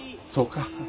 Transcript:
そうか。